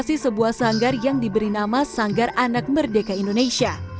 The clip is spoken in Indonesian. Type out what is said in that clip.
masih sebuah sanggar yang diberi nama sanggar anak merdeka indonesia